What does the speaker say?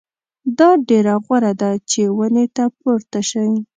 دا ډېره غوره ده چې ونې ته پورته شئ.